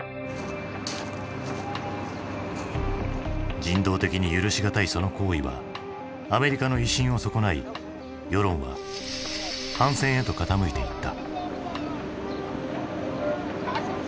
人道的に許しがたいその行為はアメリカの威信を損ない世論は反戦へと傾いていった。